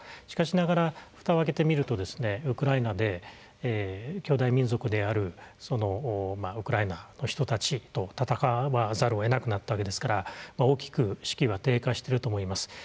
しかしながらふたを開けてみるとウクライナできょうだい民族であるウクライナの人たちと戦わざるをえなくなったわけですから大きく士気は低下してると思います。